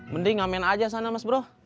mending ngamen aja sana mas bro